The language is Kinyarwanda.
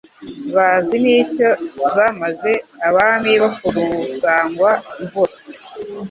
Bazi n’icyo zamaze Abami bo ku Rusangwa-mvura